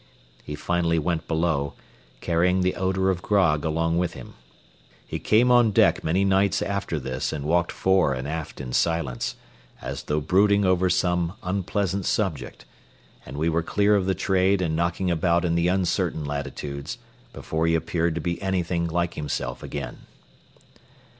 He finally went below, carrying the odor of grog along with him. He came on deck many nights after this and walked fore and aft in silence, as though brooding over some unpleasant subject, and we were clear of the trade and knocking about in the uncertain latitudes before he appeared to be anything like himself again.